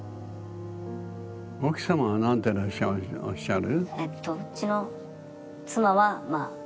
奥様は何ておっしゃる？